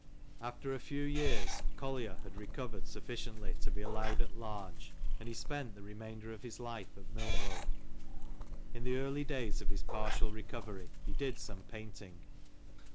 After a few years. Collier had recovered sufficiently to be allowed at large, and he spent the remainder of his life at Milnrow. In the early days of his partial recovery he did some painting.